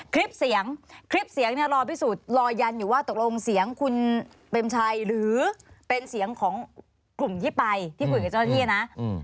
คลิปเสียงคลิปเสียงเนี่ยรอพิสูจน์รอยันอยู่ว่าตกลงเสียงคุณเปรมชัยหรือเป็นเสียงของกลุ่มที่ไปที่คุยกับเจ้าหน้าที่นะ